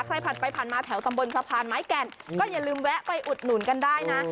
ใครผ่านไปผ่านมาแถวตำบลสะพานไม้แก่นก็อย่าลืมแวะไปอุดหนุนกันได้นะ